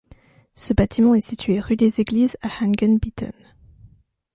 Ce bâtiment est situé rue des Églises à Hangenbieten.